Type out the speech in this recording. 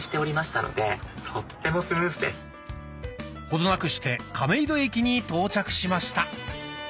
程なくして亀戸駅に到着しました。